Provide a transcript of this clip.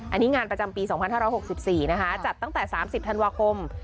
อันนี้งานประจำปี๒๕๖๔นะคะจัดตั้งแต่๓๐ธันวาคม